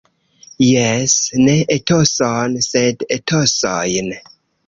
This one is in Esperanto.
Jes, ne etoson, sed etosojn.